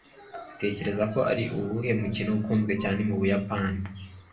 Utekereza ko ari uwuhe mukino ukunzwe cyane mu Buyapani?